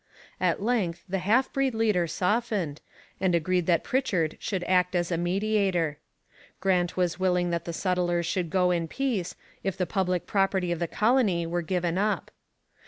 At length the half breed leader softened, and agreed that Pritchard should act as a mediator. Grant was willing that the settlers should go in peace, if the public property of the colony were given up.